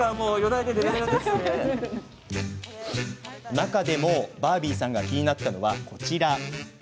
中でもバービーさんが気になったのは、こちら。